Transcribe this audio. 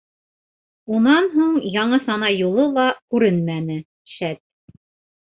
Унан һуң, яңы сана юлы ла күренмәне, шәт.